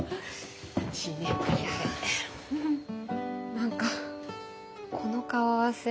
何かこの顔合わせ。